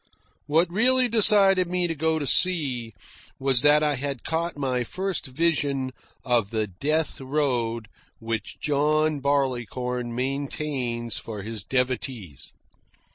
What really decided me to go to sea was that I had caught my first vision of the death road which John Barleycorn maintains for his devotees.